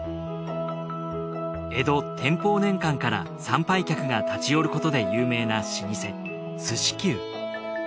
江戸天保年間から参拝客が立ち寄ることで有名な老舗すし久。